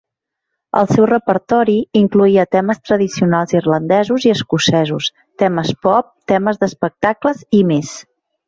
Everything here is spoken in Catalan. El seu repertori incloïa temes tradicionals irlandesos i escocesos, temes pop, temes d'espectacles i més.